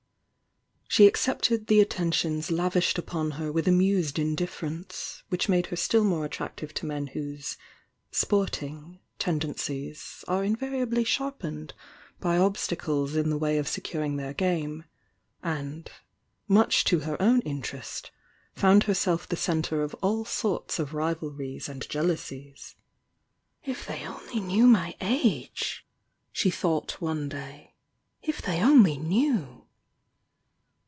She accepted the attentions lavished upon her with amused indifference, which made her still more attractive to men whose "sport ing" tendencies are invariably sharpened by ob stacles in the way of securing their game, and, much to her own interest, found herself the centre of all sorts of rivalries and jealousies. "If they only knew my age!" she thought one day. "If they only knew!'